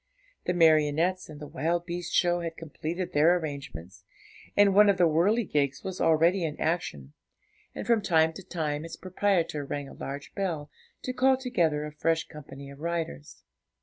The marionettes and the wild beast show had completed their arrangements, and one of the whirligigs was already in action, and from time to time its proprietor rang a large bell, to call together a fresh company of riders.